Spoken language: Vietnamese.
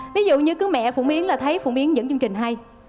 ví dụ như cứ mẹ phụ miến là thấy phụ miến dẫn chương trình hay